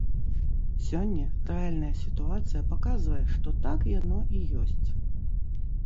Сёння рэальная сітуацыя паказвае, што так яно і ёсць.